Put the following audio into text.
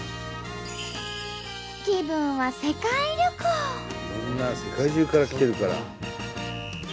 みんな世界中から来てるから。